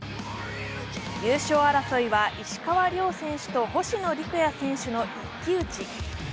優勝争いは石川遼選手と星野陸也選手の一騎打ち。